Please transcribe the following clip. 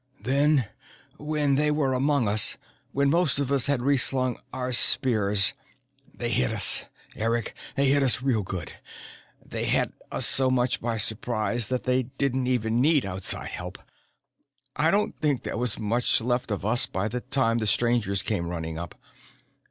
"Then, when they were among us, when most of us had reslung our spears, they hit us. Eric, they hit us real good. They had us so much by surprise that they didn't even need outside help. I don't think there was much left of us by the time the Strangers came running up.